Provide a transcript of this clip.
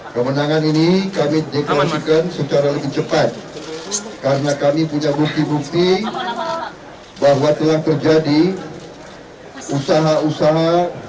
kemenangan ini kami deklarasikan secara lebih cepat karena kami punya bukti bukti bahwa telah terjadi usaha usaha